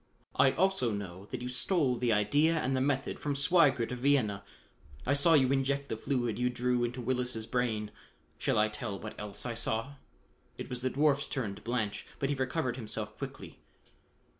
I also know that you stole the idea and the method from Sweigert of Vienna. I saw you inject the fluid you drew into Willis' brain. Shall I tell what else I saw?" It was the dwarf's turn to blanch, but he recovered himself quickly.